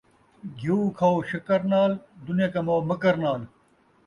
گھیو کھئو شکر نال ، دنیا کماؤ مکر نال